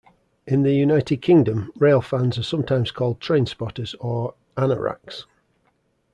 In the United Kingdom, railfans are sometimes called trainspotters or "anoraks".